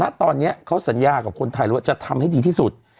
ณตอนนี้เขาสัญญากับคนไทยเลยว่าจะทำให้ดีที่สุด